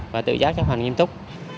và tự giác chấp hành nghiêm túc